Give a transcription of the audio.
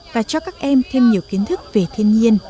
và cho các em thêm nhiều kiến thức về thiên nhiên